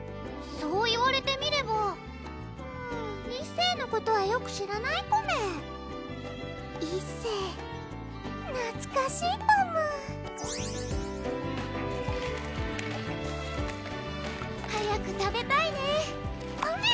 そう言われてみればうん一世のことはよく知らないコメ一世なつかしいパム早く食べたいねコメ！